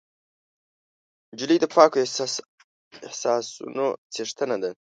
نجلۍ د پاکو احساسونو څښتنه ده.